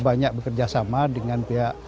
banyak bekerjasama dengan pihak